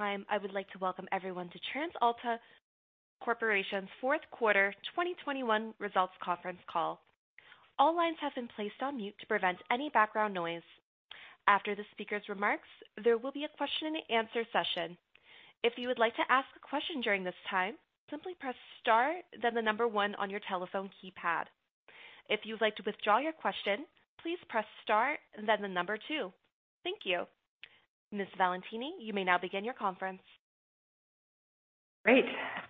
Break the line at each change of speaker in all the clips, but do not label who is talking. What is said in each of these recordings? I would like to welcome everyone to TransAlta Corporation's fourth quarter 2021 results conference call. All lines have been placed on mute to prevent any background noise. After the speaker's remarks, there will be a question-and-answer session. If you would like to ask a question during this time, simply press star, then number one on your telephone keypad. If you'd like to withdraw your question, please press star and then number two. Thank you. Ms Valentini, you may now begin the conference.
Great.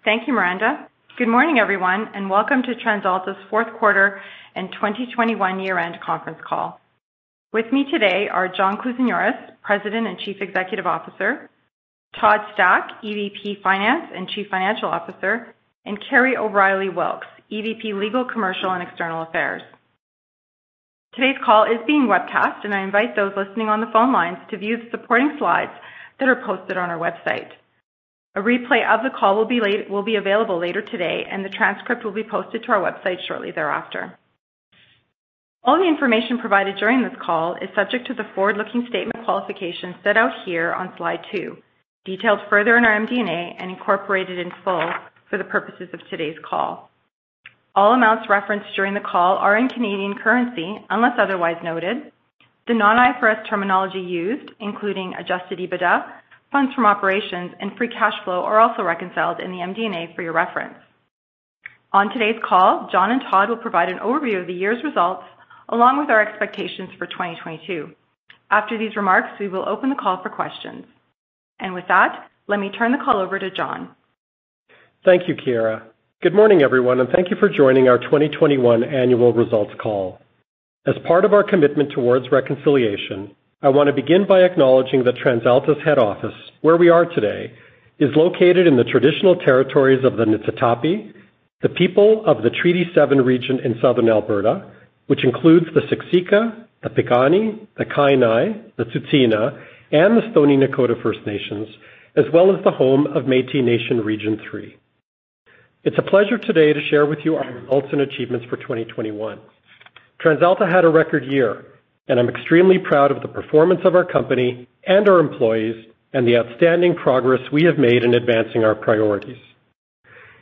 Thank you, Miranda. Good morning, everyone, and welcome to TransAlta's fourth quarter and 2021 year-end conference call. With me today are John Kousinioris, President and Chief Executive Officer, Todd Stack, EVP Finance and Chief Financial Officer, and Kerry O'Reilly Wilks, EVP Legal, Commercial and External Affairs. Today's call is being webcast, and I invite those listening on the phone lines to view the supporting slides that are posted on our website. A replay of the call will be available later today, and the transcript will be posted to our website shortly thereafter. All the information provided during this call is subject to the forward-looking statement qualifications set out here on slide two, detailed further in our MD&A and incorporated in full for the purposes of today's call. All amounts referenced during the call are in Canadian currency, unless otherwise noted. The non-IFRS terminology used, including adjusted EBITDA, funds from operations, and free cash flow, are also reconciled in the MD&A for your reference. On today's call, John and Todd will provide an overview of the year's results along with our expectations for 2022. After these remarks, we will open the call for questions. With that, let me turn the call over to John.
Thank you, Chiara. Good morning, everyone, and thank you for joining our 2021 annual results call. As part of our commitment towards reconciliation, I want to begin by acknowledging that TransAlta's head office, where we are today, is located in the traditional territories of the Niitsitapi, the people of the Treaty 7 region in Southern Alberta, which includes the Siksika, the Piikani, the Kainai, the Tsuut'ina, and the Stoney Nakoda First Nations, as well as the home of Métis Nation Region 3. It's a pleasure today to share with you our results and achievements for 2021. TransAlta had a record year, and I'm extremely proud of the performance of our company and our employees, and the outstanding progress we have made in advancing our priorities.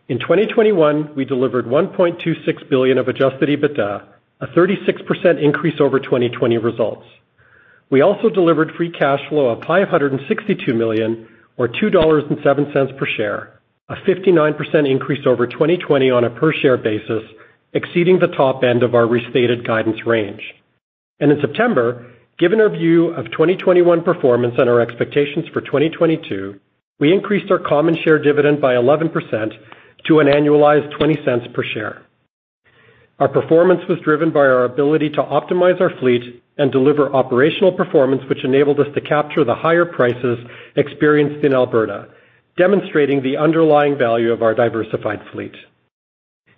In 2021, we delivered 1.26 billion of adjusted EBITDA, a 36% increase over 2020 results. We also delivered free cash flow of 562 million or 2.07 dollars per share, a 59% increase over 2020 on a per-share basis, exceeding the top end of our restated guidance range. In September, given our view of 2021 performance and our expectations for 2022, we increased our common share dividend by 11% to an annualized 0.20 per share. Our performance was driven by our ability to optimize our fleet and deliver operational performance, which enabled us to capture the higher prices experienced in Alberta, demonstrating the underlying value of our diversified fleet.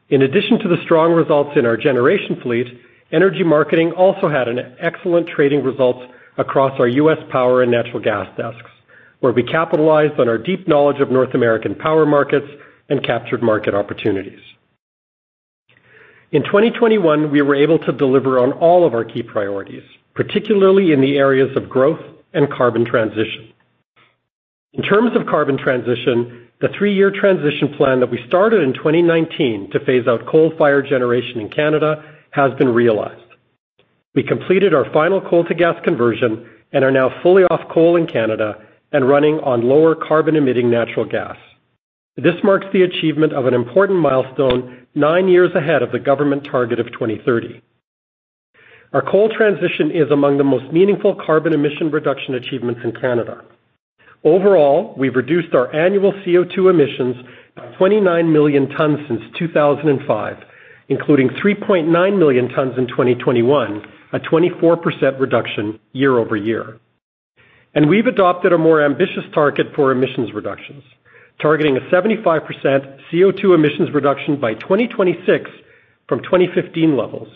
In addition to the strong results in our generation fleet, Energy Marketing also had an excellent trading results across our U.S. power and natural gas desks, where we capitalized on our deep knowledge of North American power markets and captured market opportunities. In 2021, we were able to deliver on all of our key priorities, particularly in the areas of growth and carbon transition. In terms of carbon transition, the three-year transition plan that we started in 2019 to phase out coal-fired generation in Canada has been realized. We completed our final coal-to-gas conversion and are now fully off coal in Canada and running on lower carbon-emitting natural gas. This marks the achievement of an important milestone nine years ahead of the government target of 2030. Our coal transition is among the most meaningful carbon emission reduction achievements in Canada. Overall, we've reduced our annual CO₂ emissions by 29 million tons since 2005, including 3.9 million tons in 2021, a 24% reduction year-over-year. We've adopted a more ambitious target for emissions reductions, targeting a 75% CO₂ emissions reduction by 2026 from 2015 levels.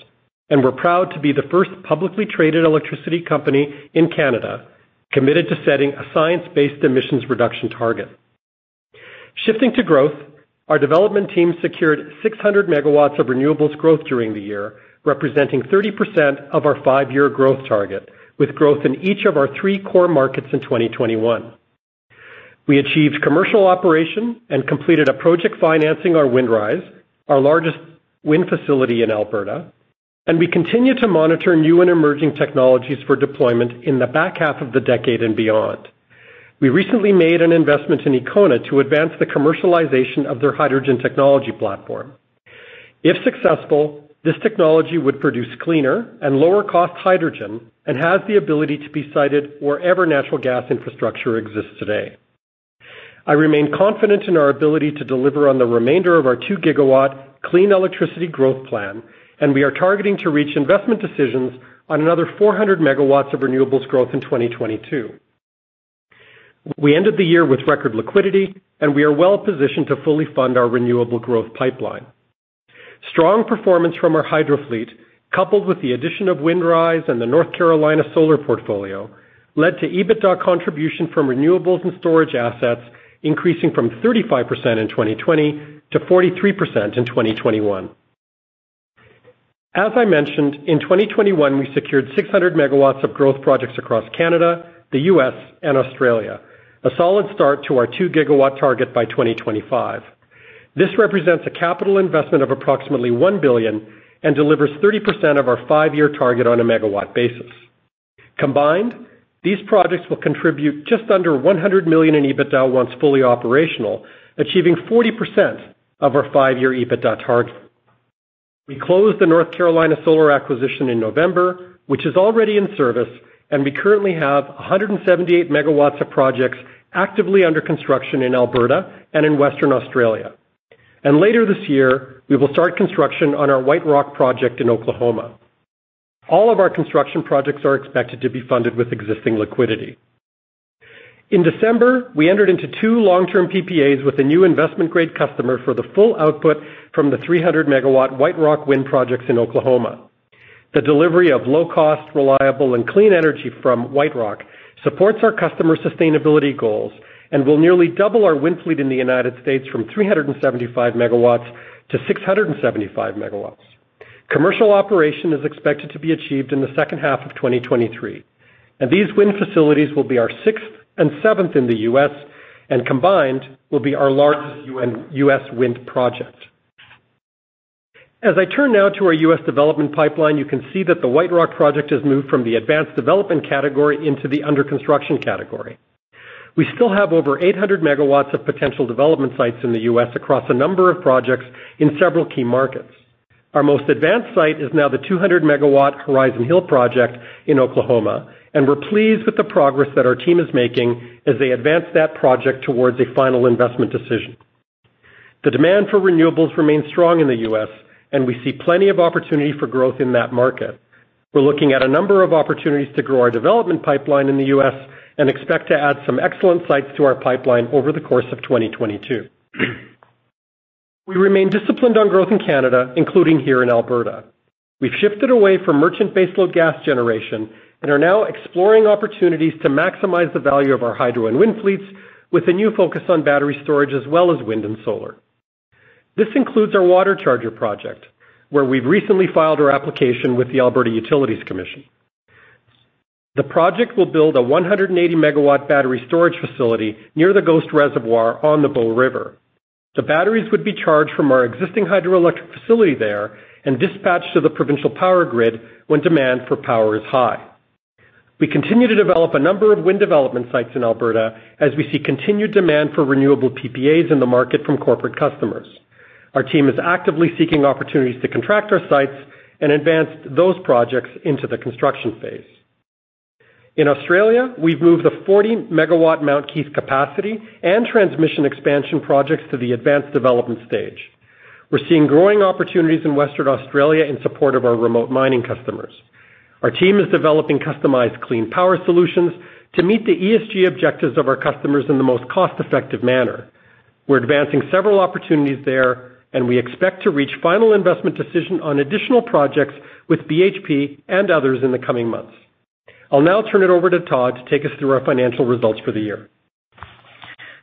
We're proud to be the first publicly traded electricity company in Canada, committed to setting a science-based emissions reduction target. Shifting to growth, our development team secured 600 MW of renewables growth during the year, representing 30% of our five-year growth target, with growth in each of our three core markets in 2021. We achieved commercial operation and completed a project financing on Windrise, our largest wind facility in Alberta, and we continue to monitor new and emerging technologies for deployment in the back half of the decade and beyond. We recently made an investment in Ekona to advance the commercialization of their hydrogen technology platform. If successful, this technology would produce cleaner and lower-cost hydrogen and has the ability to be sited wherever natural gas infrastructure exists today. I remain confident in our ability to deliver on the remainder of our 2 GW clean electricity growth plan, and we are targeting to reach investment decisions on another 400 MW of renewables growth in 2022. We ended the year with record liquidity, and we are well-positioned to fully fund our renewable growth pipeline. Strong performance from our hydro fleet, coupled with the addition of Windrise and the North Carolina solar portfolio, led to EBITDA contribution from renewables and storage assets increasing from 35% in 2020 to 43% in 2021. As I mentioned, in 2021, we secured 600 MW of growth projects across Canada, the U.S., and Australia. A solid start to our 2 GW target by 2025. This represents a capital investment of approximately 1 billion and delivers 30% of our five-year target on a megawatt basis. Combined, these projects will contribute just under 100 million in EBITDA once fully operational, achieving 40% of our five-year EBITDA target. We closed the North Carolina Solar acquisition in November, which is already in service, and we currently have 178 MW of projects actively under construction in Alberta and in Western Australia. Later this year, we will start construction on our White Rock project in Oklahoma. All of our construction projects are expected to be funded with existing liquidity. In December, we entered into two long-term PPAs with a new investment-grade customer for the full output from the 300-MW White Rock wind projects in Oklahoma. The delivery of low-cost, reliable and clean energy from White Rock supports our customer sustainability goals and will nearly double our wind fleet in the United States from 375 MW to 675 MW. Commercial operation is expected to be achieved in the second half of 2023, and these wind facilities will be our sixth and seventh in the U.S., and combined, will be our largest non-U.S. wind project. As I turn now to our U.S. development pipeline, you can see that the White Rock project has moved from the advanced development category into the under-construction category. We still have over 800 MW of potential development sites in the U.S. across a number of projects in several key markets. Our most advanced site is now the 200 MW Horizon Hill project in Oklahoma, and we're pleased with the progress that our team is making as they advance that project towards a final investment decision. The demand for renewables remains strong in the U.S., and we see plenty of opportunity for growth in that market. We're looking at a number of opportunities to grow our development pipeline in the U.S. and expect to add some excellent sites to our pipeline over the course of 2022. We remain disciplined on growth in Canada, including here in Alberta. We've shifted away from merchant baseload gas generation and are now exploring opportunities to maximize the value of our hydro and wind fleets with a new focus on battery storage as well as wind and solar. This includes our WaterCharger project, where we've recently filed our application with the Alberta Utilities Commission. The project will build a 180-MW battery storage facility near the Ghost reservoir on the Bow River. The batteries would be charged from our existing hydroelectric facility there and dispatched to the provincial power grid when demand for power is high. We continue to develop a number of wind development sites in Alberta as we see continued demand for renewable PPAs in the market from corporate customers. Our team is actively seeking opportunities to contract our sites and advance those projects into the construction phase. In Australia, we've moved the 40-MW Mount Keith capacity and transmission expansion projects to the advanced development stage. We're seeing growing opportunities in Western Australia in support of our remote mining customers. Our team is developing customized clean power solutions to meet the ESG objectives of our customers in the most cost-effective manner. We're advancing several opportunities there, and we expect to reach final investment decision on additional projects with BHP and others in the coming months. I'll now turn it over to Todd to take us through our financial results for the year.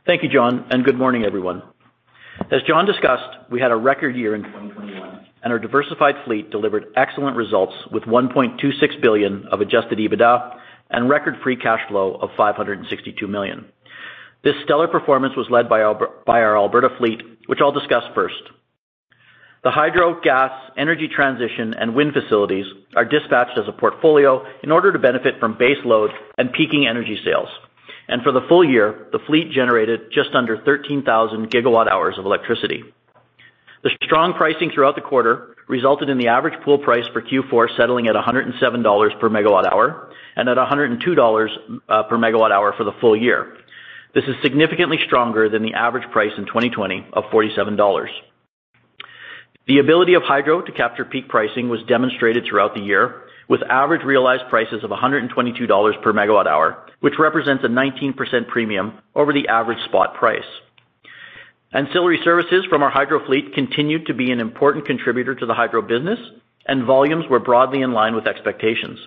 Thank you, John, and good morning, everyone. As John discussed, we had a record year in 2021, and our diversified fleet delivered excellent results with 1.26 billion of adjusted EBITDA and record free cash flow of 562 million. This stellar performance was led by our Alberta fleet, which I'll discuss first. The Hydro, Gas, Energy Transition, and Wind facilities are dispatched as a portfolio in order to benefit from base load and peaking energy sales. For the full year, the fleet generated just under 13,000 GWh of electricity. The strong pricing throughout the quarter resulted in the average pool price for Q4 settling at 107 dollars per MWh and at 102 dollars per MWh for the full year. This is significantly stronger than the average price in 2020 of 47 dollars. The ability of hydro to capture peak pricing was demonstrated throughout the year with average realized prices of 122 dollars per MWh, which represents a 19% premium over the average spot price. Ancillary services from our hydro fleet continued to be an important contributor to the Hydro business, and volumes were broadly in line with expectations.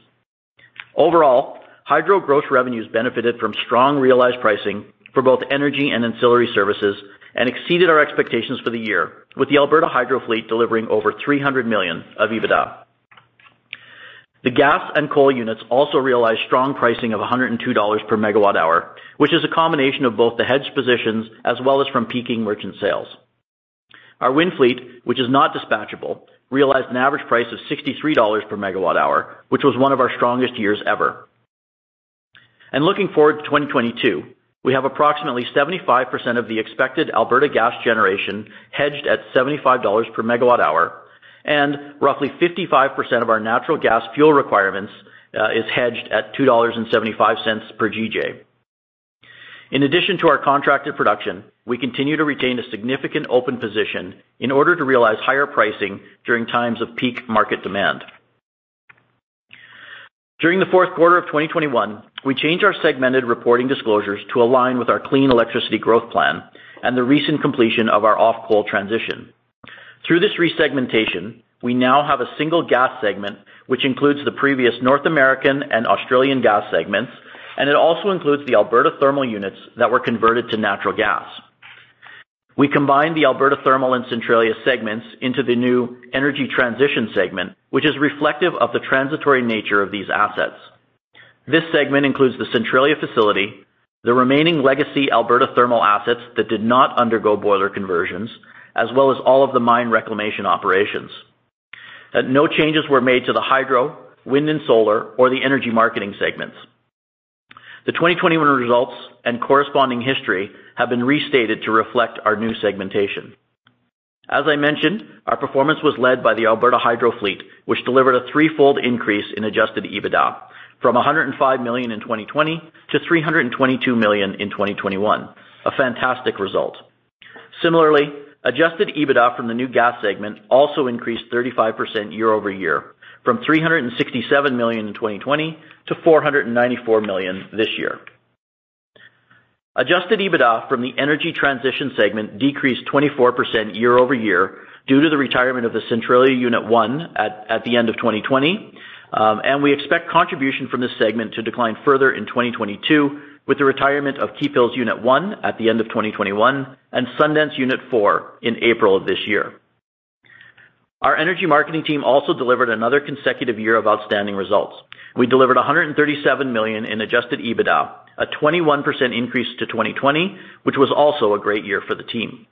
Overall, Hydro gross revenues benefited from strong realized pricing for both energy and ancillary services and exceeded our expectations for the year, with the Alberta hydro fleet delivering over 300 million of EBITDA. The gas and coal units also realized strong pricing of 102 dollars per MWh, which is a combination of both the hedged positions as well as from peaking merchant sales. Our wind fleet, which is not dispatchable, realized an average price of 63 dollars per MWh, which was one of our strongest years ever. Looking forward to 2022, we have approximately 75% of the expected Alberta gas generation hedged at 75 dollars per MWh, and roughly 55% of our natural gas fuel requirements is hedged at 2.75 dollars per GJ. In addition to our contracted production, we continue to retain a significant open position in order to realize higher pricing during times of peak market demand. During the fourth quarter of 2021, we changed our segmented reporting disclosures to align with our clean electricity growth plan and the recent completion of our off-coal transition. Through this resegmentation, we now have a single Gas segment, which includes the previous North American and Australian Gas segments, and it also includes the Alberta Thermal units that were converted to natural gas. We combined the Alberta Thermal and Centralia segments into the new Energy Transition segment, which is reflective of the transitory nature of these assets. This segment includes the Centralia facility, the remaining legacy Alberta Thermal assets that did not undergo boiler conversions, as well as all of the mine reclamation operations. No changes were made to the Hydro, Wind and Solar or the Energy Marketing segments. The 2021 results and corresponding history have been restated to reflect our new segmentation. As I mentioned, our performance was led by the Alberta hydro fleet, which delivered a threefold increase in adjusted EBITDA from 105 million in 2020 to 322 million in 2021. A fantastic result. Similarly, adjusted EBITDA from the new gas segment also increased 35% year-over-year from 367 million in 2020 to 494 million this year. Adjusted EBITDA from the Energy Transition segment decreased 24% year-over-year due to the retirement of the Centralia Unit 1 at the end of 2020. We expect contribution from this segment to decline further in 2022 with the retirement of Keephills Unit 1 at the end of 2021 and Sundance Unit 4 in April of this year. Our Energy Marketing team also delivered another consecutive year of outstanding results. We delivered 137 million in adjusted EBITDA, a 21% increase to 2020, which was also a great year for the team.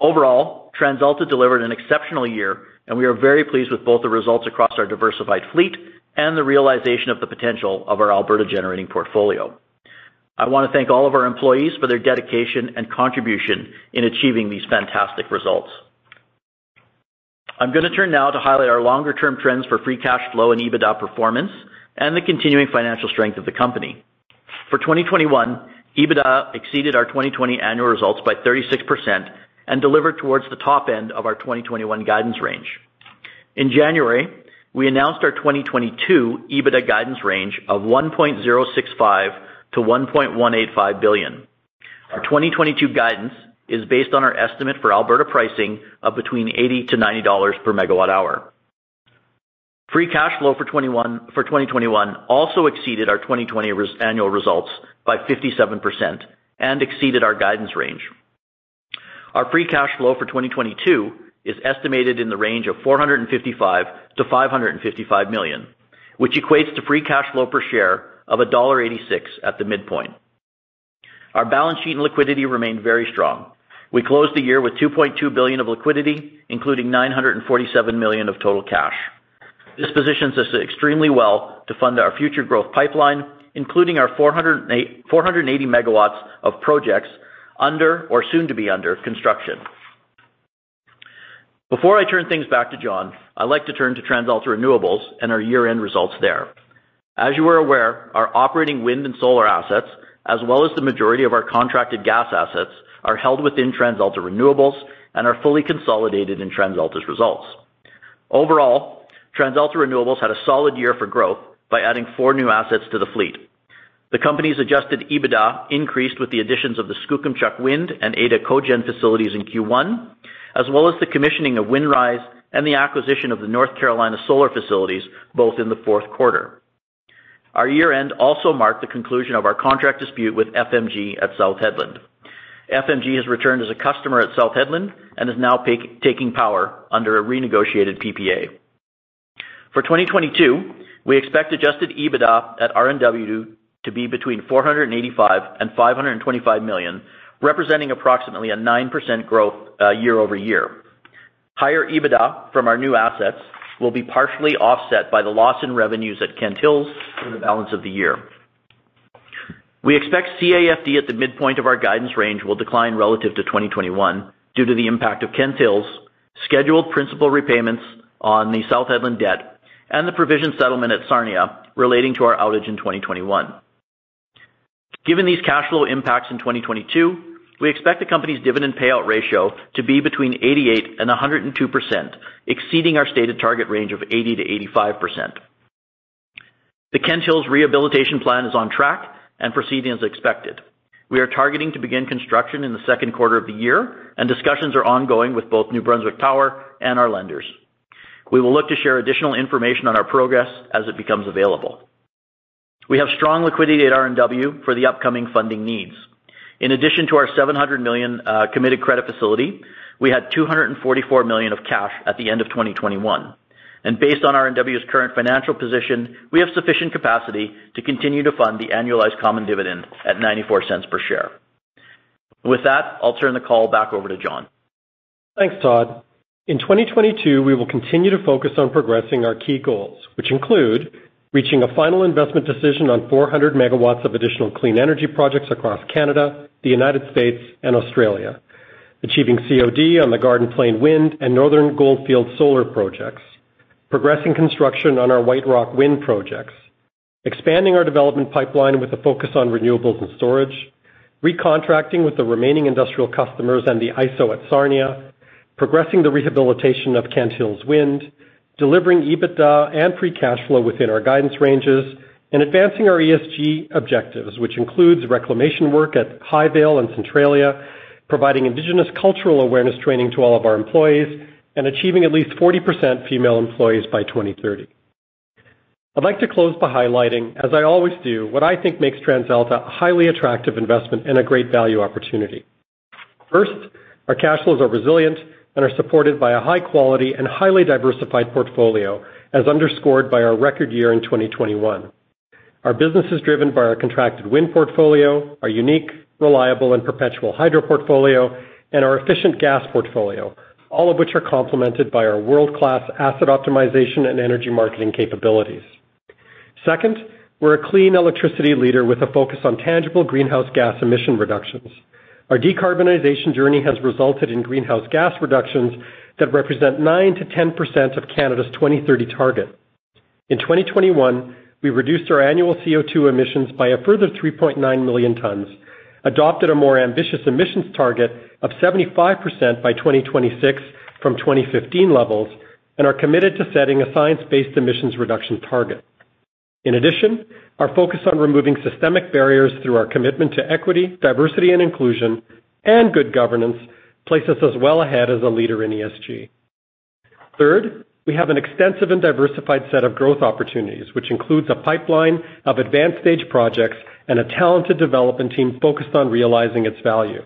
Overall, TransAlta delivered an exceptional year, and we are very pleased with both the results across our diversified fleet and the realization of the potential of our Alberta generating portfolio. I want to thank all of our employees for their dedication and contribution in achieving these fantastic results. I'm going to turn now to highlight our longer-term trends for free cash flow and EBITDA performance and the continuing financial strength of the company. For 2021, EBITDA exceeded our 2020 annual results by 36% and delivered towards the top end of our 2021 guidance range. In January, we announced our 2022 EBITDA guidance range of 1.065 billion-1.185 billion. Our 2022 guidance is based on our estimate for Alberta pricing of between 80-90 dollars per MWh. Free cash flow for 2021 also exceeded our 2020 annual results by 57% and exceeded our guidance range. Our free cash flow for 2022 is estimated in the range of 455 million-555 million, which equates to free cash flow per share of dollar 1.86 at the midpoint. Our balance sheet and liquidity remained very strong. We closed the year with 2.2 billion of liquidity, including 947 million of total cash. This positions us extremely well to fund our future growth pipeline, including our 480 MW of projects under or soon to be under construction. Before I turn things back to John, I'd like to turn to TransAlta Renewables and our year-end results there. As you are aware, our operating wind and solar assets as well as the majority of our contracted gas assets, are held within TransAlta Renewables and are fully consolidated in TransAlta's results. Overall, TransAlta Renewables had a solid year for growth by adding four new assets to the fleet. The company's adjusted EBITDA increased with the additions of the Skookumchuck Wind and Ada cogen facilities in Q1, as well as the commissioning of Windrise and the acquisition of the North Carolina Solar facilities, both in the fourth quarter. Our year-end also marked the conclusion of our contract dispute with FMG at South Hedland. FMG has returned as a customer at South Hedland and is now taking power under a renegotiated PPA. For 2022, we expect adjusted EBITDA at RNW to be between 485 million and 525 million, representing approximately 9% growth year-over-year. Higher EBITDA from our new assets will be partially offset by the loss in revenues at Kent Hills for the balance of the year. We expect CAFD at the midpoint of our guidance range will decline relative to 2021 due to the impact of Kent Hills, scheduled principal repayments on the South Hedland debt, and the provision settlement at Sarnia relating to our outage in 2021. Given these cash flow impacts in 2022, we expect the company's dividend payout ratio to be between 88%-102%, exceeding our stated target range of 80%-85%. The Kent Hills rehabilitation plan is on track and proceeding as expected. We are targeting to begin construction in the second quarter of the year, and discussions are ongoing with both New Brunswick Power and our lenders. We will look to share additional information on our progress as it becomes available. We have strong liquidity at RNW for the upcoming funding needs. In addition to our 700 million committed credit facility, we had 244 million of cash at the end of 2021. Based on RNW's current financial position, we have sufficient capacity to continue to fund the annualized common dividend at 0.94 per share. With that, I'll turn the call back over to John.
Thanks, Todd. In 2022, we will continue to focus on progressing our key goals, which include reaching a final investment decision on 400 MW of additional clean energy projects across Canada, the United States, and Australia. Achieving COD on the Garden Plain wind and Northern Goldfields solar projects. Progressing construction on our White Rock wind projects. Expanding our development pipeline with a focus on renewables and storage. Recontracting with the remaining industrial customers and the ISO at Sarnia. Progressing the rehabilitation of Kent Hills Wind. Delivering EBITDA and free cash flow within our guidance ranges. Advancing our ESG objectives, which includes reclamation work at Highvale and Centralia, providing indigenous cultural awareness training to all of our employees, and achieving at least 40% female employees by 2030. I'd like to close by highlighting, as I always do, what I think makes TransAlta a highly attractive investment and a great value opportunity. First, our cash flows are resilient and are supported by a high-quality and highly diversified portfolio, as underscored by our record year in 2021. Our business is driven by our contracted wind portfolio, our unique, reliable and perpetual hydro portfolio, and our efficient gas portfolio, all of which are complemented by our world-class asset optimization and Energy Marketing capabilities. Second, we're a clean electricity leader with a focus on tangible greenhouse gas emission reductions. Our decarbonization journey has resulted in greenhouse gas reductions that represent 9%-10% of Canada's 2030 target. In 2021, we reduced our annual CO₂ emissions by a further 3.9 million tons, adopted a more ambitious emissions target of 75% by 2026 from 2015 levels, and are committed to setting a science-based emissions reduction target. In addition, our focus on removing systemic barriers through our commitment to equity, diversity and inclusion, and good governance places us well ahead as a leader in ESG. Third, we have an extensive and diversified set of growth opportunities, which includes a pipeline of advanced-stage projects and a talented development team focused on realizing its value.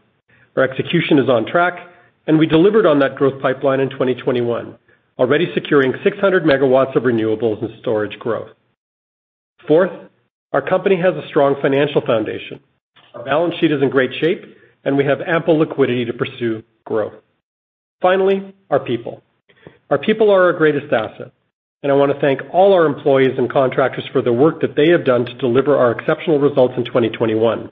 Our execution is on track, and we delivered on that growth pipeline in 2021, already securing 600 MW of renewables and storage growth. Fourth, our company has a strong financial foundation. Our balance sheet is in great shape, and we have ample liquidity to pursue growth. Finally, our people. Our people are our greatest asset, and I want to thank all our employees and contractors for the work that they have done to deliver our exceptional results in 2021.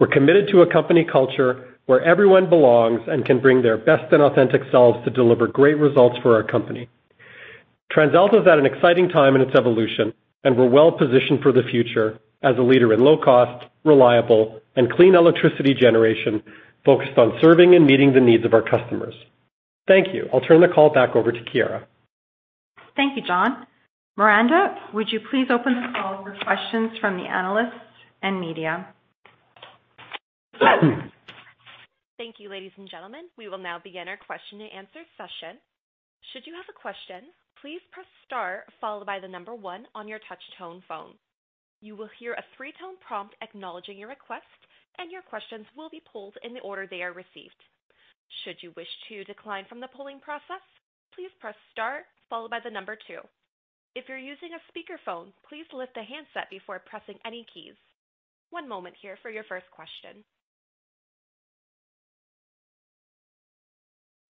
We're committed to a company culture where everyone belongs and can bring their best and authentic selves to deliver great results for our company. TransAlta is at an exciting time in its evolution, and we're well-positioned for the future as a leader in low-cost, reliable, and clean electricity generation focused on serving and meeting the needs of our customers. Thank you. I'll turn the call back over to Chiara.
Thank you, John. Miranda, would you please open the call for questions from the analysts and media?
Thank you, ladies and gentlemen. We will now begin our question-and-answer session. Should you have a question, please press star followed by the number one on your touch-tone phone. You will hear a three-tone prompt acknowledging your request, and your questions will be pulled in the order they are received. Should you wish to decline from the polling process, please press star followed by the number two. If you're using a speakerphone, please lift the handset before pressing any keys. One moment here for your first question.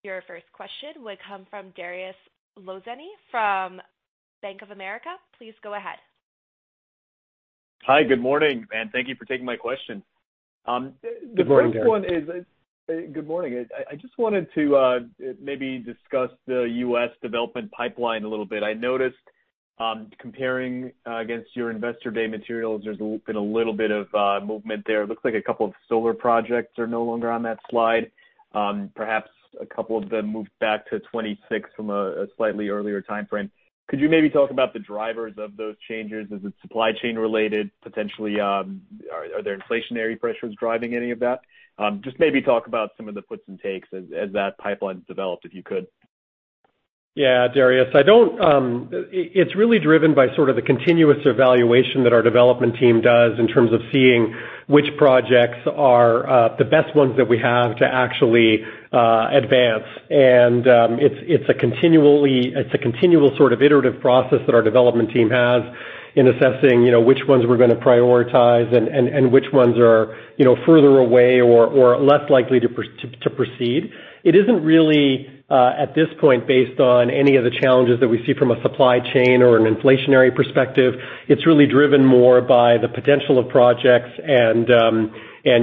Your first question will come from Dariusz Lozny from Bank of America. Please go ahead.
Hi, good morning, and thank you for taking my question.
Good morning, Dariusz.
Good morning. I just wanted to maybe discuss the U.S. development pipeline a little bit. I noticed, comparing against your investor day materials, there's been a little bit of movement there. It looks like a couple of solar projects are no longer on that slide. Perhaps a couple of them moved back to 2026 from a slightly earlier timeframe. Could you maybe talk about the drivers of those changes? Is it supply chain-related potentially? Are there inflationary pressures driving any of that? Just maybe talk about some of the puts and takes as that pipeline developed, if you could.
Yeah, Dariusz. It's really driven by sort of the continuous evaluation that our development team does in terms of seeing which projects are the best ones that we have to actually advance. It's a continual sort of iterative process that our development team has in assessing, you know, which ones we're gonna prioritize and which ones are, you know, further away or less likely to proceed. It isn't really at this point based on any of the challenges that we see from a supply chain or an inflationary perspective. It's really driven more by the potential of projects and,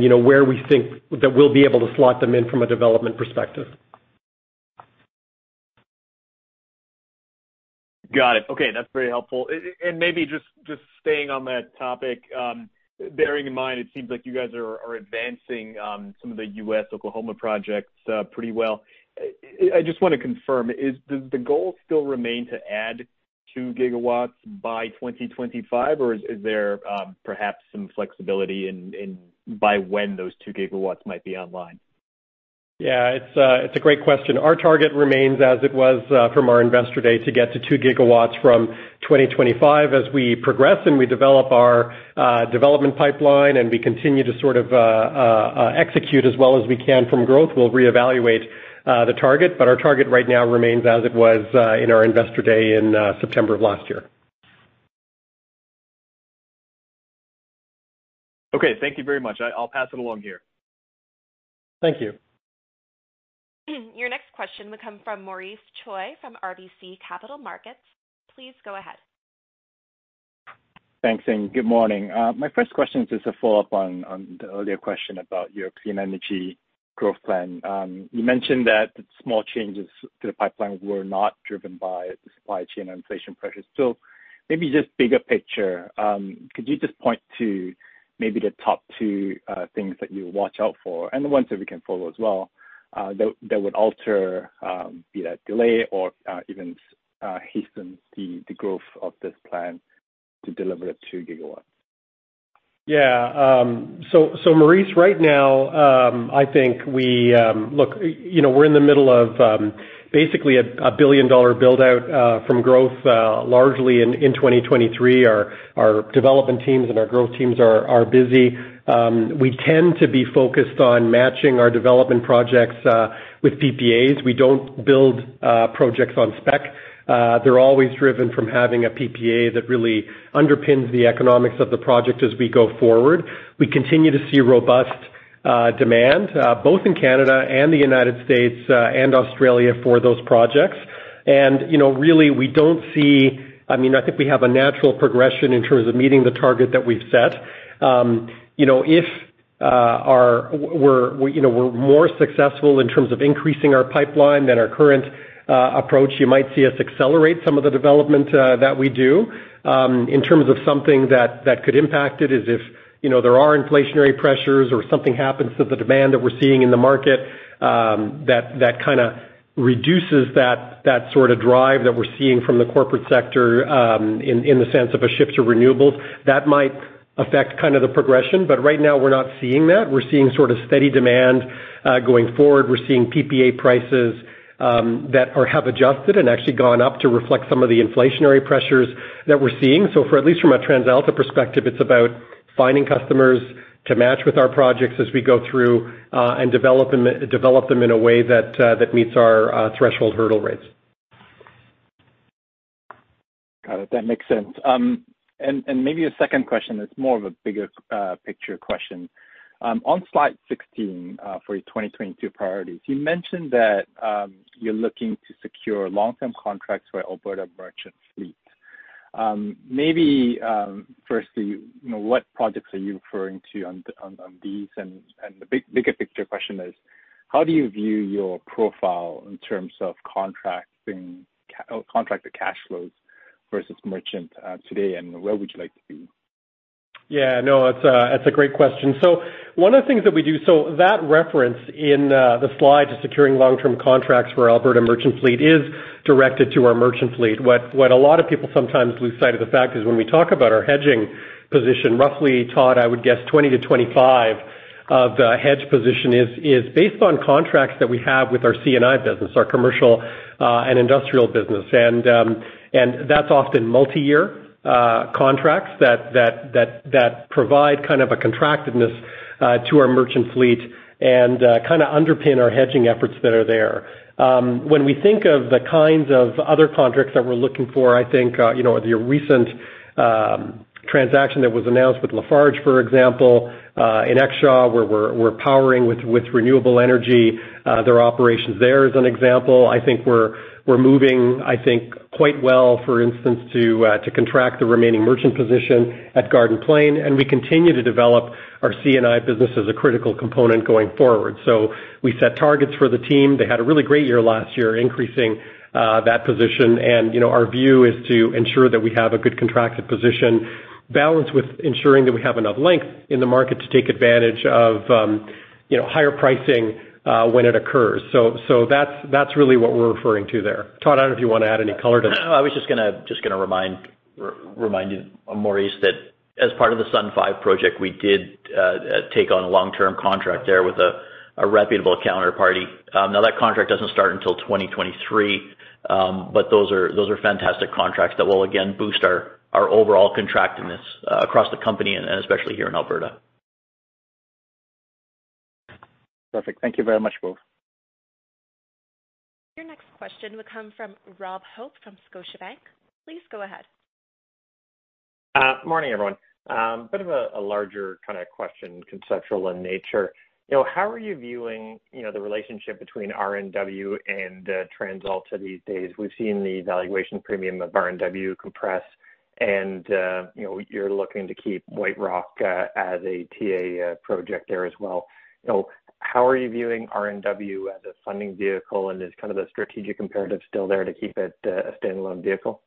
you know, where we think that we'll be able to slot them in from a development perspective.
Got it. Okay. That's very helpful. Maybe just staying on that topic, bearing in mind, it seems like you guys are advancing some of the U.S. Oklahoma projects pretty well. I just wanna confirm, does the goal still remain to add 2 GW by 2025, or is there perhaps some flexibility in by when those 2 GW might be online?
Yeah, it's a great question. Our target remains as it was from our investor day, to get to 2 GW from 2025. As we progress, and we develop our development pipeline, and we continue to sort of execute as well as we can from growth, we'll reevaluate the target. Our target right now remains as it was in our investor day in September of last year.
Okay. Thank you very much. I'll pass it along here.
Thank you.
Your next question will come from Maurice Choy from RBC Capital Markets. Please go ahead.
Thanks, and good morning. My first question is just a follow-up on the earlier question about your clean energy growth plan. You mentioned that small changes to the pipeline were not driven by the supply chain and inflation pressures. Maybe just bigger picture, could you just point to maybe the top two things that you watch out for, and the ones that we can follow as well, that would alter, either delay or even hasten the growth of this plan to deliver 2 GW?
So Maurice, right now I think we look, you know, we're in the middle of basically a billion-dollar build-out from growth largely in 2023. Our development teams and our growth teams are busy. We tend to be focused on matching our development projects with PPAs. We don't build projects on spec. They're always driven from having a PPA that really underpins the economics of the project as we go forward. We continue to see robust demand both in Canada and the United States, and Australia for those projects. You know, really, we don't see. I mean, I think we have a natural progression in terms of meeting the target that we've set. You know, if we're more successful in terms of increasing our pipeline than our current approach, you might see us accelerate some of the development that we do. In terms of something that could impact it is if, you know, there are inflationary pressures, or something happens to the demand that we're seeing in the market, that kind of reduces that sort of drive that we're seeing from the corporate sector, in the sense of a shift to renewables. That might affect kind of the progression, but right now we're not seeing that. We're seeing sort of steady demand going forward. We're seeing PPA prices that have adjusted and actually gone up to reflect some of the inflationary pressures that we're seeing. From at least a TransAlta perspective, it's about finding customers to match with our projects as we go through and develop them in a way that meets our threshold hurdle rates.
Got it. That makes sense. Maybe a second question that's more of a bigger picture question. On slide 16, for your 2022 priorities, you mentioned that you're looking to secure long-term contracts for Alberta merchant fleet. Maybe firstly, you know, what projects are you referring to on the these? The bigger picture question is how do you view your profile in terms of contracted cash flows versus merchant today, and where would you like to be?
Yeah, no, it's a great question. One of the things that we do, that reference in the slide to securing long-term contracts for Alberta merchant fleet is directed to our merchant fleet. A lot of people sometimes lose sight of the fact is when we talk about our hedging position, roughly, Todd, I would guess 20%-25% of the hedge position is based on contracts that we have with our C&I business, our commercial and industrial business. That's often multi-year contracts that provide kind of a contractedness to our merchant fleet and kind of underpin our hedging efforts that are there. When we think of the kinds of other contracts that we're looking for, I think, you know, the recent transaction that was announced with Lafarge, for example, in Exshaw, where we're powering with renewable energy, their operations there is an example. I think we're moving, I think, quite well, for instance, to contract the remaining merchant position at Garden Plain, and we continue to develop our C&I business as a critical component going forward. We set targets for the team. They had a really great year last year, increasing that position. You know, our view is to ensure that we have a good contracted position balanced with ensuring that we have enough length in the market to take advantage of, you know, higher pricing, when it occurs. That's really what we're referring to there. Todd, I don't know if you wanna add any color to that.
No, I was just gonna remind you, Maurice, that as part of the Sundance 5 project, we did take on a long-term contract there with a reputable counterparty. Now that contract doesn't start until 2023, but those are fantastic contracts that will again boost our overall contractedness across the company and especially here in Alberta.
Perfect. Thank you very much, both.
Your next question would come from Rob Hope from Scotiabank. Please go ahead.
Morning, everyone. Bit of a larger kind of question, conceptual in nature. You know, how are you viewing, you know, the relationship between RNW and TransAlta these days? We've seen the valuation premium of RNW compress and, you know, you're looking to keep White Rock as a TA project there as well. You know, how are you viewing RNW as a funding vehicle? Is kind of the strategic imperative still there to keep it a standalone vehicle?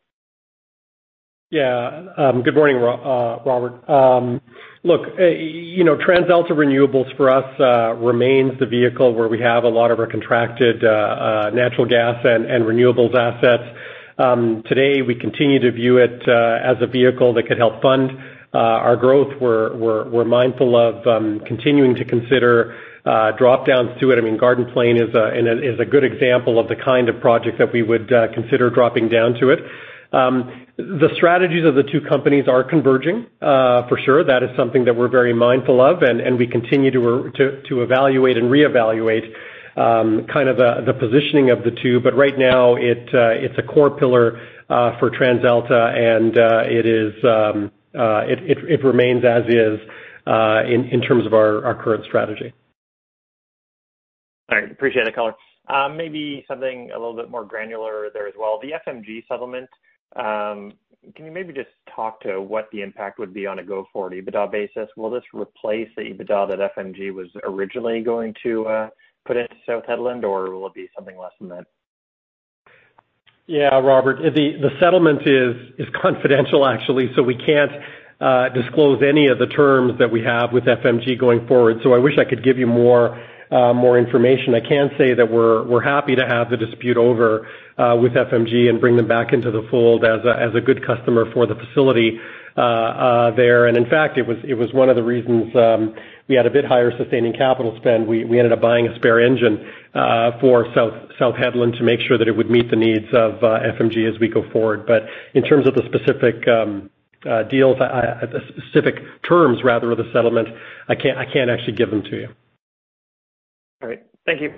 Yeah. Good morning, Robert. Look, you know, TransAlta Renewables for us remains the vehicle where we have a lot of our contracted natural gas and renewables assets. Today, we continue to view it as a vehicle that could help fund our growth. We're mindful of continuing to consider drop-downs to it. I mean, Garden Plain is a good example of the kind of project that we would consider dropping down to it. The strategies of the two companies are converging for sure. That is something that we're very mindful of, and we continue to evaluate and reevaluate kind of the positioning of the two. Right now, it's a core pillar for TransAlta, and it remains as is in terms of our current strategy.
All right. Appreciate the color. Maybe something a little bit more granular there as well. The FMG settlement, can you maybe just talk to what the impact would be on a go-forward EBITDA basis? Will this replace the EBITDA that FMG was originally going to put into South Hedland, or will it be something less than that?
Yeah, Robert, the settlement is confidential, actually, so we can't disclose any of the terms that we have with FMG going forward. I wish I could give you more information. I can say that we're happy to have the dispute over with FMG and bring them back into the fold as a good customer for the facility there. In fact, it was one of the reasons we had a bit higher sustaining capital spend. We ended up buying a spare engine for South Hedland to make sure that it would meet the needs of FMG as we go forward. In terms of the specific terms rather of the settlement, I can't actually give them to you.
All right. Thank you.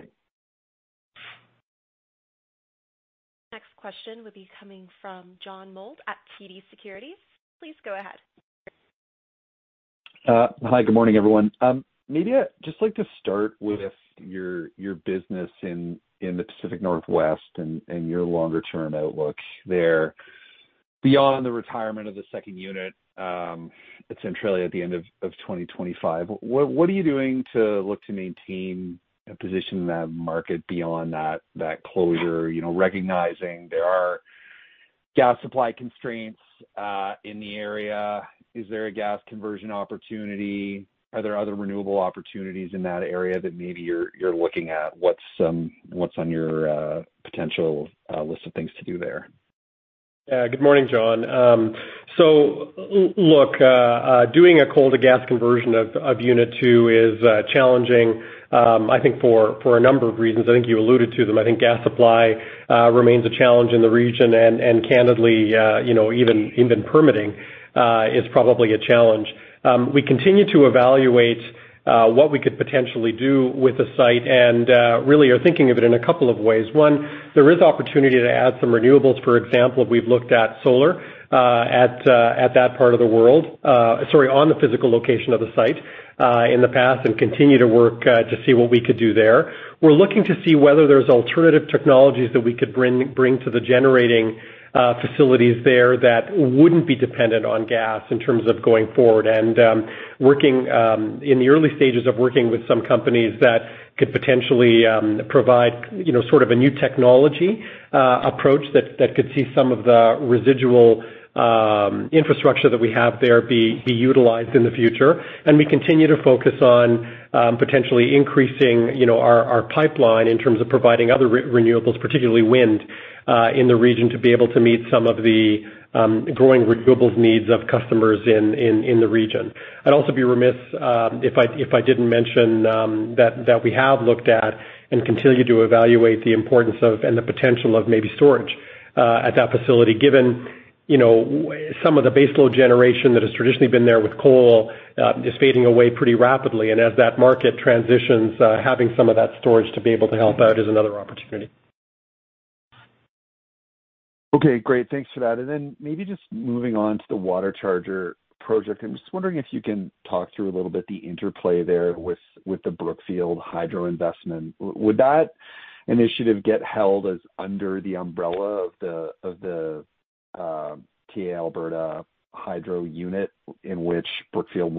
Next question would be coming from John Mould at TD Securities. Please go ahead.
Hi, good morning, everyone. Maybe I'd just like to start with your business in the Pacific Northwest and your longer-term outlook there. Beyond the retirement of the second unit at Centralia at the end of 2025, what are you doing to maintain a position in that market beyond that closure? You know, recognizing there are gas supply constraints in the area. Is there a gas conversion opportunity? Are there other renewable opportunities in that area that maybe you're looking at? What's on your potential list of things to do there?
Yeah. Good morning, John. Look, doing a coal-to-gas conversion of Unit 2 is challenging, I think for a number of reasons. I think you alluded to them. I think gas supply remains a challenge in the region. Candidly, you know, even permitting is probably a challenge. We continue to evaluate what we could potentially do with the site, and really are thinking of it in a couple of ways. One, there is opportunity to add some renewables. For example, we've looked at solar at that part of the world, sorry, on the physical location of the site in the past and continue to work to see what we could do there. We're looking to see whether there's alternative technologies that we could bring to the generating facilities there that wouldn't be dependent on gas in terms of going forward. In the early stages of working with some companies that could potentially provide, you know, sort of a new technology approach that could see some of the residual infrastructure that we have there be utilized in the future. We continue to focus on potentially increasing, you know, our pipeline in terms of providing other renewables, particularly wind, in the region, to be able to meet some of the growing renewables needs of customers in the region. I'd also be remiss if I didn't mention that we have looked at and continue to evaluate the importance of and the potential of maybe storage at that facility, given, you know, some of the baseload generation that has traditionally been there with coal is fading away pretty rapidly. As that market transitions, having some of that storage to be able to help out is another opportunity.
Okay, great. Thanks for that. Maybe just moving on to the WaterCharger project. I'm just wondering if you can talk through a little bit the interplay there with the Brookfield hydro investment. Would that initiative get held as under the umbrella of the TA Alberta hydro unit, in which Brookfield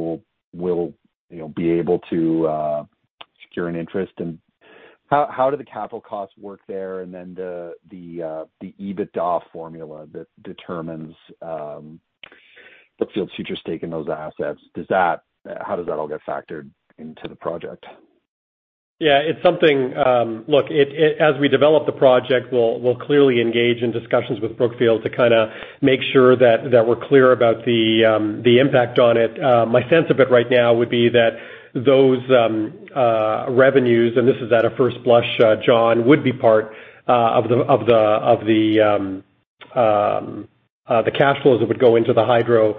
will you know be able to secure an interest? How do the capital costs work there? The EBITDA formula that determines Brookfield's future stake in those assets, how does that all get factored into the project?
Yeah, it's something. Look, as we develop the project, we'll clearly engage in discussions with Brookfield to kind of make sure that we're clear about the impact on it. My sense of it right now would be that those revenues, and this is at a first blush, John, would be part of the cash flows that would go into the hydro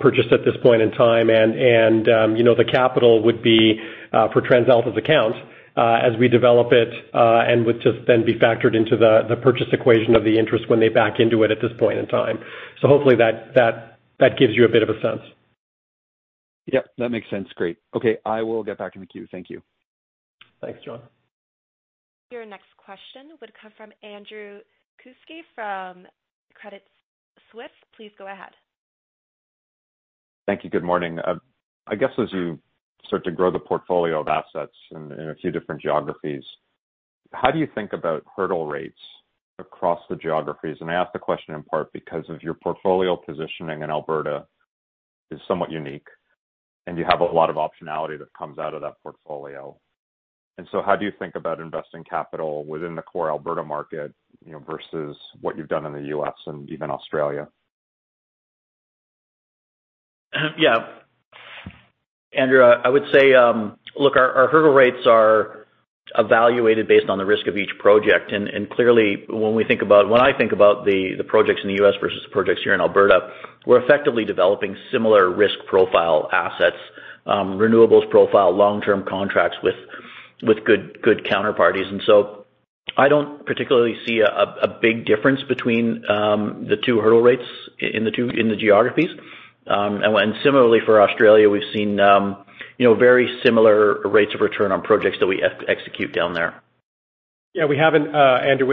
purchase at this point in time. You know, the capital would be for TransAlta's account as we develop it and would just then be factored into the purchase equation of the interest when they back into it at this point in time. Hopefully, that gives you a bit of a sense.
Yep, that makes sense. Great. Okay, I will get back in the queue. Thank you.
Thanks, John.
Your next question would come from Andrew Kuske from Credit Suisse. Please go ahead.
Thank you. Good morning. I guess as you start to grow the portfolio of assets in a few different geographies, how do you think about hurdle rates across the geographies? I ask the question in part because of your portfolio positioning in Alberta is somewhat unique, and you have a lot of optionality that comes out of that portfolio. How do you think about investing capital within the core Alberta market, you know, versus what you've done in the U.S. and even Australia?
Yeah. Andrew, I would say, look, our hurdle rates are evaluated based on the risk of each project. Clearly, when I think about the projects in the U.S. versus the projects here in Alberta, we're effectively developing similar risk profile assets, renewables profile, long-term contracts with good counterparties. I don't particularly see a big difference between the two hurdle rates in the geographies. Similarly, for Australia, we've seen, you know, very similar rates of return on projects that we execute down there. Yeah, we haven't, Andrew.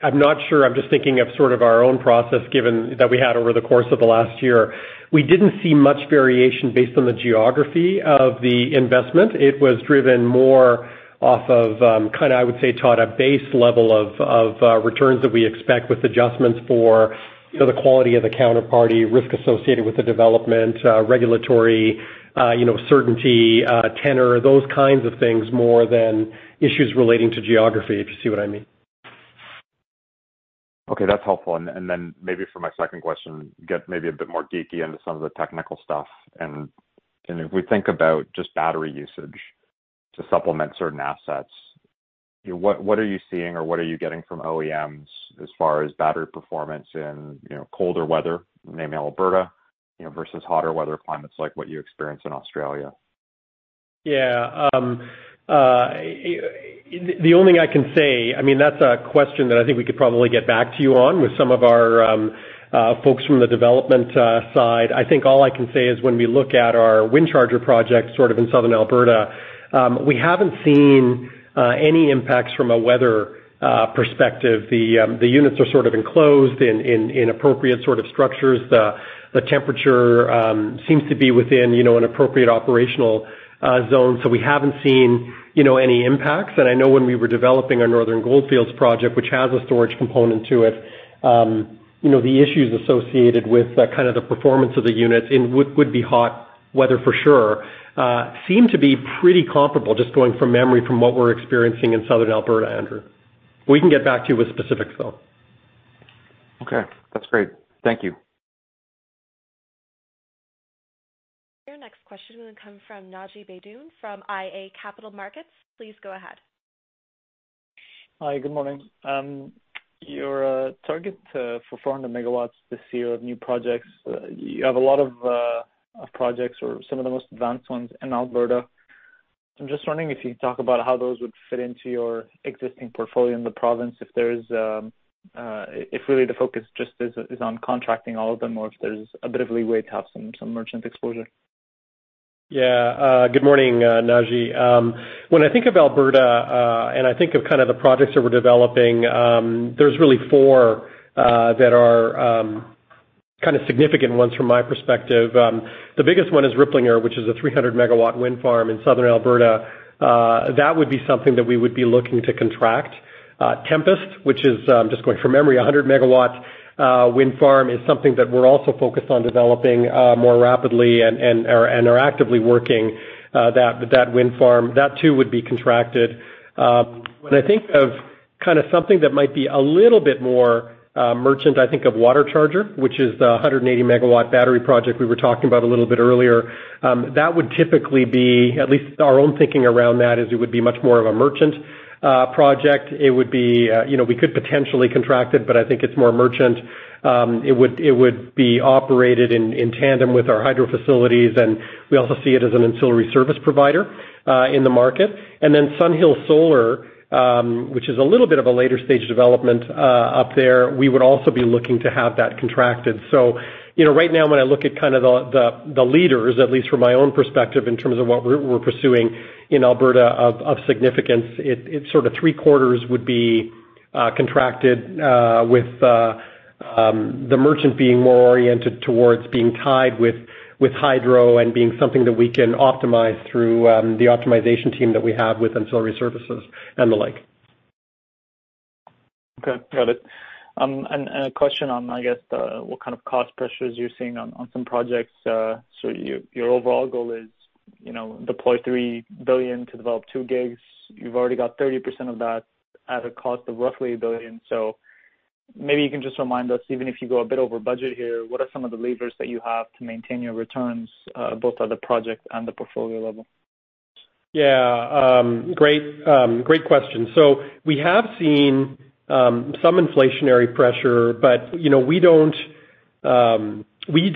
I'm not sure. I'm just thinking of sort of our own process, given that we had over the course of the last year. We didn't see much variation based on the geography of the investment. It was driven more off of kinda, I would say, Todd, a base level of returns that we expect with adjustments for, you know, the quality of the counterparty risk associated with the development, regulatory, you know, certainty, tenor, those kinds of things more than issues relating to geography, if you see what I mean.
Okay, that's helpful. Maybe for my second question, get maybe a bit more geeky into some of the technical stuff. If we think about just battery usage to supplement certain assets, you know, what are you seeing or what are you getting from OEMs as far as battery performance in, you know, colder weather, maybe Alberta, you know, versus hotter weather climates like what you experience in Australia?
Yeah. The only thing I can say, I mean, that's a question that I think we could probably get back to you on with some of our folks from the development side. I think all I can say is when we look at our WindCharger project, sort of in Southern Alberta, we haven't seen any impacts from a weather perspective. The units are sort of enclosed in appropriate sort of structures. The temperature seems to be within, you know, an appropriate operational zone. We haven't seen, you know, any impacts. I know when we were developing our Northern Goldfields project, which has a storage component to it, you know, the issues associated with kind of the performance of the units in would be hot weather for sure seem to be pretty comparable, just going from memory from what we're experiencing in Southern Alberta, Andrew. We can get back to you with specifics, though.
Okay. That's great. Thank you.
Your next question will come from Naji Baydoun from iA Capital Markets. Please go ahead.
Hi. Good morning. Your target for 400 MW this year of new projects, you have a lot of projects or some of the most advanced ones in Alberta. I'm just wondering if you could talk about how those would fit into your existing portfolio in the province, if really the focus just is on contracting all of them or if there's a bit of leeway to have some merchant exposure.
Good morning, Naji. When I think of Alberta, and I think of kind of the projects that we're developing, there's really four that are kind of significant ones from my perspective. The biggest one is Riplinger, which is a 300 MW wind farm in Southern Alberta. That would be something that we would be looking to contract. Tempest, which is, I'm just going from memory, a 100 MW wind farm, is something that we're also focused on developing more rapidly and are actively working that wind farm. That too would be contracted. When I think of kind of something that might be a little bit more merchant, I think of WaterCharger, which is the 180 MW battery project we were talking about a little bit earlier. That would typically be, at least our own thinking around that, is it would be much more of a merchant project. It would be, you know, we could potentially contract it, but I think it's more merchant. It would be operated in tandem with our hydro facilities, and we also see it as an ancillary service provider in the market. Then SunHills Solar, which is a little bit of a later-stage development up there, we would also be looking to have that contracted. You know, right now, when I look at kind of the leaders, at least from my own perspective, in terms of what we're pursuing in Alberta of significance, it sort of three-quarters would be contracted, with the merchant being more oriented towards being tied with hydro and being something that we can optimize through the optimization team that we have with ancillary services and the like.
Okay. Got it. A question on, I guess, what kind of cost pressures you're seeing on some projects. Your overall goal is, you know, to deploy 3 billion to develop 2 GW. You've already got 30% of that at a cost of roughly 1 billion. Maybe you can just remind us, even if you go a bit over budget here, what are some of the levers that you have to maintain your returns both at the project and the portfolio level?
Great question. We have seen some inflationary pressure, but you know, we'd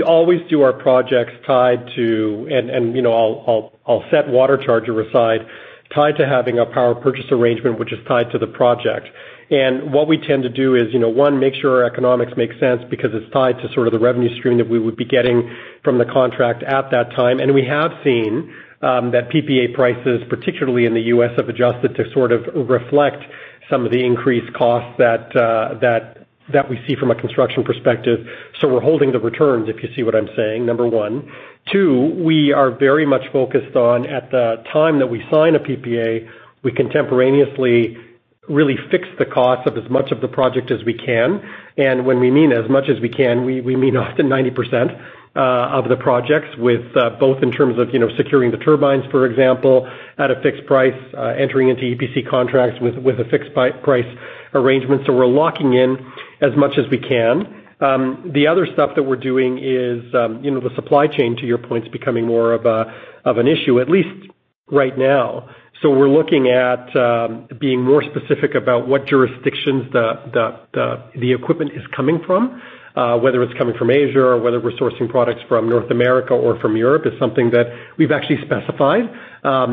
always do our projects tied to, you know, I'll set WaterCharger aside, tied to having a power purchase arrangement, which is tied to the project. What we tend to do is, you know, one, make sure our economics make sense because it's tied to sort of the revenue stream that we would be getting from the contract at that time. We have seen that PPA prices, particularly in the U.S., have adjusted to sort of reflect some of the increased costs that we see from a construction perspective. We're holding the returns, if you see what I'm saying, number one. Two, we are very much focused on, at the time that we sign a PPA, we contemporaneously really fix the cost of as much of the project as we can. When we mean as much as we can, we mean often 90% of the projects with both in terms of, you know, securing the turbines, for example, at a fixed price, entering into EPC contracts with a fixed price arrangement. We're locking in as much as we can. The other stuff that we're doing is, you know, the supply chain, to your point, is becoming more of an issue, at least right now. We're looking at being more specific about what jurisdictions the equipment is coming from. Whether it's coming from Asia or whether we're sourcing products from North America or from Europe is something that we've actually specified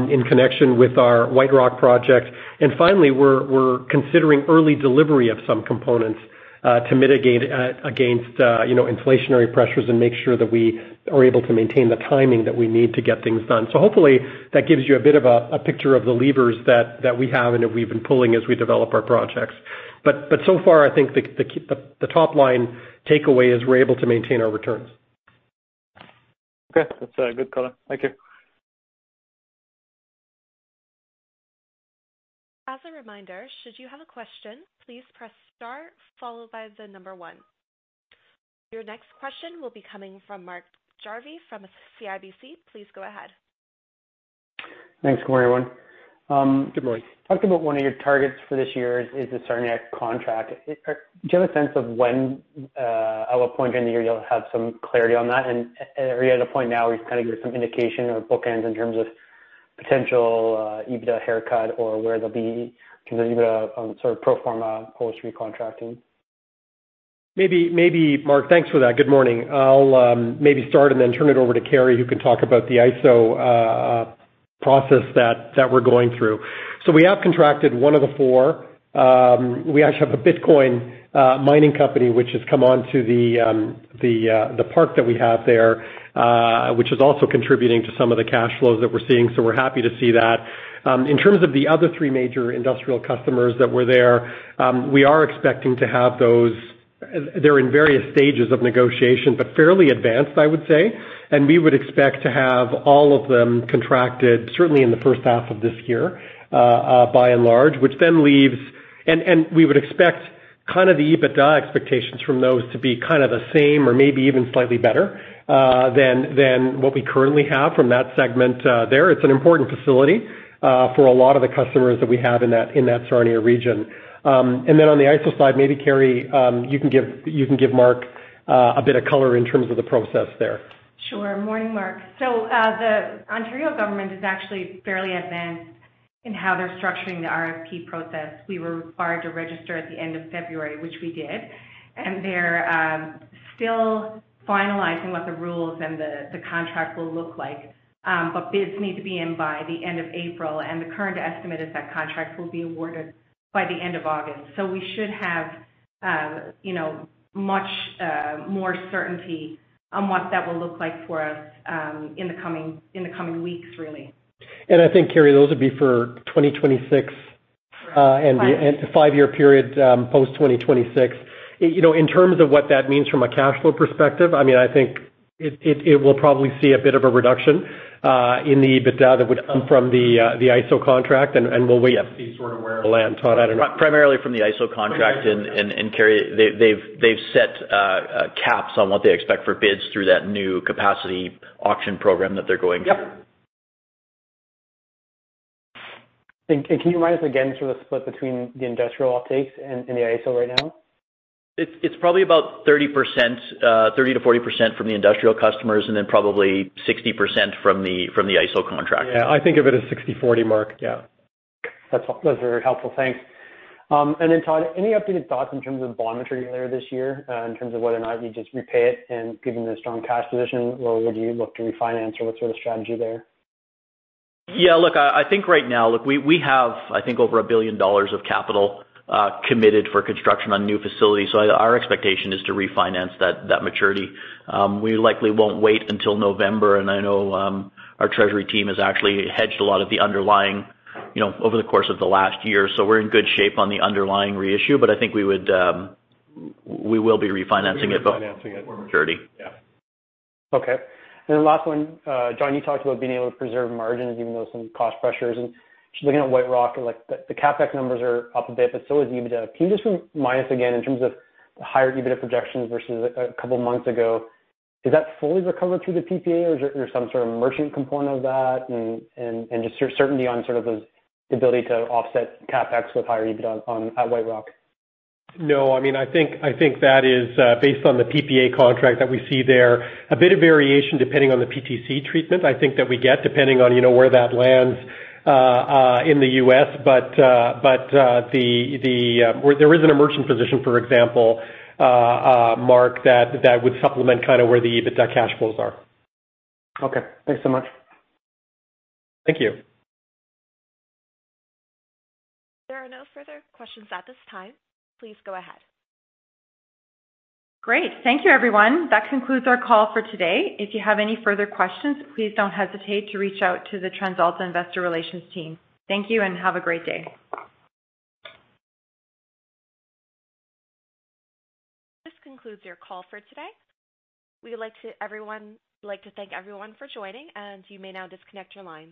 in connection with our White Rock project. Finally, we're considering early delivery of some components to mitigate against you know, inflationary pressures and make sure that we are able to maintain the timing that we need to get things done. Hopefully, that gives you a bit of a picture of the levers that we have and that we've been pulling as we develop our projects. So far, I think the top line takeaway is we're able to maintain our returns.
Okay. That's a good color. Thank you.
As a reminder, should you have a question, please press star followed by the number one. Your next question will be coming from Mark Jarvi from CIBC. Please go ahead.
Thanks. Good morning, everyone.
Good morning.
Talked about one of your targets for this year is the Sarnia contract. Do you have a sense of when, at what point during the year you'll have some clarity on that? At the point now, we kind of get some indication or bookends in terms of potential EBITDA haircut or where they'll be considering the sort of pro forma post-recontracting.
Maybe, maybe Mark. Thanks for that. Good morning. I'll maybe start and then turn it over to Kerry, who can talk about the ISO process that we're going through. We have contracted one of the four. We actually have a Bitcoin mining company which has come on to the park that we have there, which is also contributing to some of the cash flows that we're seeing. We're happy to see that. In terms of the other three major industrial customers that were there, we are expecting to have those. They're in various stages of negotiation, but fairly advanced, I would say. We would expect to have all of them contracted, certainly in the first half of this year, by and large, which then leaves. We would expect kind of the EBITDA expectations from those to be kind of the same or maybe even slightly better than what we currently have from that segment, there. It's an important facility for a lot of the customers that we have in that Sarnia region. On the ISO side, maybe Kerry, you can give Mark a bit of color in terms of the process there.
Sure. Morning, Mark. The Ontario government is actually fairly advanced in how they're structuring the RFP process. We were required to register at the end of February, which we did, and they're still finalizing what the rules and the contract will look like. Bids need to be in by the end of April, and the current estimate is that contract will be awarded by the end of August. We should have you know much more certainty on what that will look like for us in the coming weeks, really.
I think, Kerry, those would be for 2026.
Correct.
The five-year period post 2026. You know, in terms of what that means from a cash flow perspective, I mean, I think it will probably see a bit of a reduction in the EBITDA that would come from the ISO contract. We'll wait to see sort of where it will land, Todd. I don't know.
Primarily from the ISO contract. Kerry, they've set caps on what they expect for bids through that new capacity auction program that they're going through.
Yep.
Can you remind us again, sort of split between the industrial uptakes and the ISO right now?
It's probably about 30%, 30%-40% from the industrial customers and then probably 60% from the ISO contract.
Yeah, I think of it as 60/40, Mark. Yeah.
That's very helpful. Thanks. Todd, any updated thoughts in terms of bond maturity later this year, in terms of whether or not you just repay it and given the strong cash position, or would you look to refinance or what sort of strategy there?
Yeah, look, I think right now, look, we have, I think, over 1 billion dollars of capital committed for construction on new facilities. Our expectation is to refinance that maturity. We likely won't wait until November, and I know our treasury team has actually hedged a lot of the underlying, you know, over the course of the last year. We're in good shape on the underlying reissue, but I think we will be refinancing it.
We will be refinancing it. Maturity. Yeah.
Okay. Last one. John, you talked about being able to preserve margins even though some cost pressures. Just looking at White Rock, like the CapEx numbers are up a bit, but so is EBITDA. Can you just remind us again, in terms of the higher EBITDA projections versus a couple months ago, is that fully recovered through the PPA, or is there some sort of merchant component of that? Just certainty on sort of the ability to offset CapEx with higher EBITDA on at White Rock.
No, I mean, I think that is based on the PPA contract that we see there. A bit of variation depending on the PTC treatment, I think that we get, depending on, you know, where that lands in the U.S. But there is a merchant position, for example, Mark, that would supplement, kind of, where the EBITDA cash flows are.
Okay, thanks so much.
Thank you.
There are no further questions at this time. Please go ahead.
Great. Thank you, everyone. That concludes our call for today. If you have any further questions, please don't hesitate to reach out to the TransAlta investor relations team. Thank you, and have a great day.
This concludes your call for today. We would like to thank everyone for joining, and you may now disconnect your lines.